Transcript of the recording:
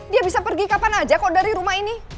dia bisa pergi kapan aja kok dari rumah ini